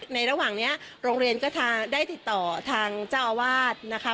ระหว่างนี้โรงเรียนก็ได้ติดต่อทางเจ้าอาวาสนะคะ